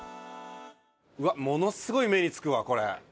うわっものすごい目につくわこれ。